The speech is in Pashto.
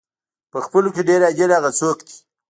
په خپلو کې ډېر عادل هغه څوک دی.